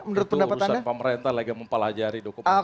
menurut pendapat anda